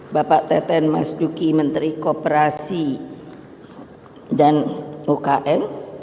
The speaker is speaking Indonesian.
bapak teten mas duki menteri kooperasi dan ukm